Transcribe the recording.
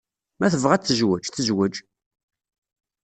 Ma tebɣa ad tezweǧ, tezweǧ.